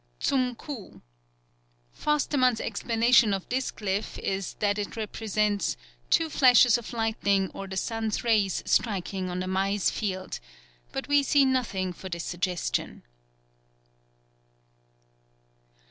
18th. Cum ku. Forstemann's explanation of this glyph is that it represents "two flashes of lightning or the sun's rays striking on a maize field," but we see nothing for this suggestion.